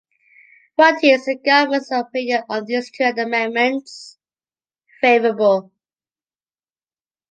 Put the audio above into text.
What is the Government's opinion on these two amendments? Favorable.